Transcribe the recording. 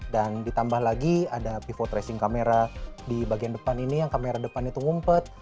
dan ditambah lagi ada pivot tracing kamera di bagian depan ini yang kamera depan itu ngumpet